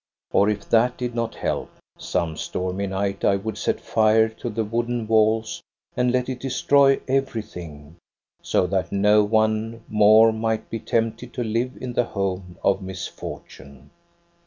Or, if that did not help, some stormy night I would set fire to the wooden walls, and let it destroy everything, so that no one more might be tempted to live in the home of misfortune.